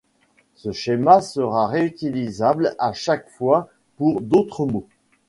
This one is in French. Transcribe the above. Ce schéma sera réutilisable à chaque fois pour d'autre mots.